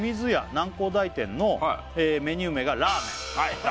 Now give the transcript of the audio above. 南光台店のメニュー名が「ラーメン」はいきた